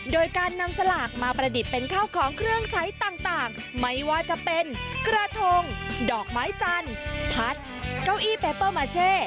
โดยการนำสลากมาประดิษฐ์เป็นข้าวของเครื่องใช้ต่างไม่ว่าจะเป็นกระทงดอกไม้จันทร์พัดเก้าอี้เปเปอร์มาเช่